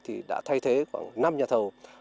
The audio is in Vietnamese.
thì đã thay thế khoảng năm nhà thầu